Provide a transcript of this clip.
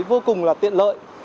vô cùng là tiện lợi